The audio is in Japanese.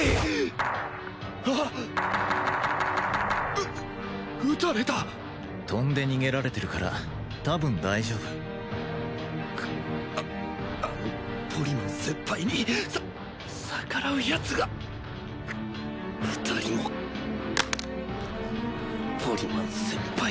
う撃たれた飛んで逃げられてるから多分大丈夫ああのポリマン先輩にさ逆らうヤツがふ２人もポリマン先輩